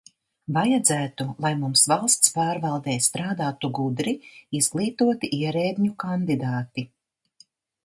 Vajadzētu, lai mums valsts pārvaldē strādātu gudri, izglītoti ierēdņu kandidāti.